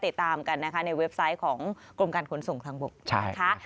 ติดตามกันนะคะในเว็บไซต์ของกรมการขนส่งทางบกนะคะ